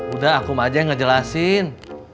udah aku ma aja yang ngejelasin